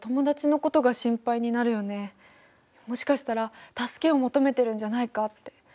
もしかしたら助けを求めてるんじゃないかって。